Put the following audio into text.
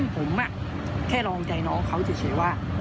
ผมแค่ลองใจน้องเขาเฉยว่า